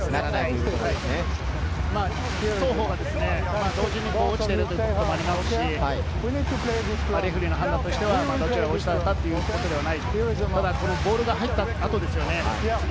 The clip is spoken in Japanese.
双方が同時に落ちてるということがありますし、レフェリーの判断としては、どちらが押し倒れたということではなくて、ボールが入った後ですよね。